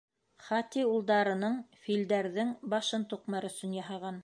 Хати улдарының — филдәрҙең башын туҡмар өсөн яһаған.